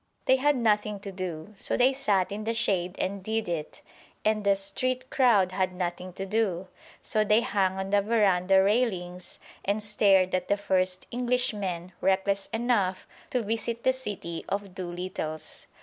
They had nothing to do, so they sat in the shade and did it; and the street crowd had nothing to do, so they hung on the verandah railings and stared at the first Englishmen reckless enough to visit the City of Dolittles.